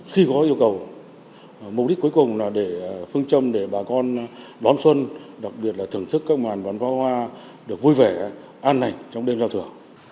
khi có yêu cầu mục đích cuối cùng là để phương châm để bà con đón xuân đặc biệt là thưởng thức các màn bắn phá hoa được vui vẻ an hành trong đêm giao thừa